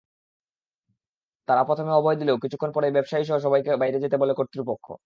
তাঁরা প্রথমে অভয় দিলেও কিছুক্ষণ পরেই ব্যবসায়ীসহ সবাইকে বাইরে যেতে বলে কর্তৃপক্ষ।